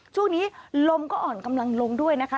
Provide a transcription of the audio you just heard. ช่วงนี้ลมก็อ่อนกำลังลงด้วยนะคะ